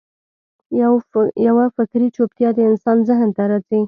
یوه فکري چوپتیا د انسان ذهن ته راځي.